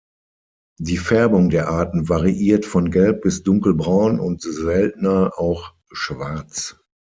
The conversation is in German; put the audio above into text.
Die Färbung der Arten variiert von gelb bis dunkelbraun und seltener auch schwarz.